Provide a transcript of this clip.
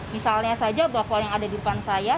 misalnya saja bafuel yang ada di depan saya